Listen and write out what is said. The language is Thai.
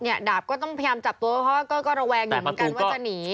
ดาบก็ต้องพยายามจับตัวเพราะว่าก็ระแวงอยู่เหมือนกันว่าจะหนี